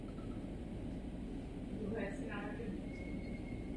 Red Sand Garden je ústředním prvkem Australian Garden.